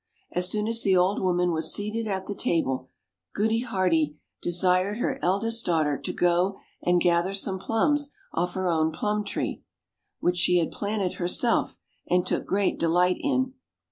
As soon as the old woman was seated at the table, Goody Hearty desired her eldest daughter to go and gather some plums off her own plum tree, which she had planted herself, and took great de light in.